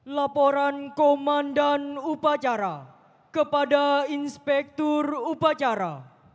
laporan komandan upacara kepada inspektur upacara